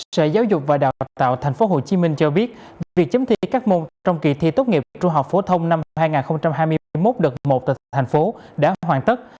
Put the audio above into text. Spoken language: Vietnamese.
sở giáo dục và đào tạo tp hcm cho biết việc chấm thi các môn trong kỳ thi tốt nghiệp trung học phổ thông năm học hai nghìn hai mươi một đợt một tại thành phố đã hoàn tất